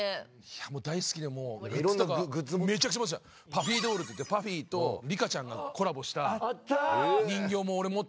ＰＵＦＦＹＤＯＬＬってＰＵＦＦＹとリカちゃんがコラボした人形も俺持ってて。